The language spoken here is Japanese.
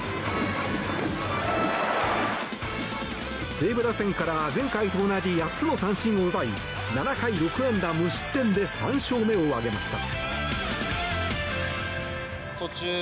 西武打線から前回と同じ８つの三振を奪い７回６安打無失点で３勝目を挙げました。